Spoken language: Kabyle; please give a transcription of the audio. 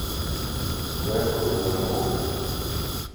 Gran-d wid ur nemmut?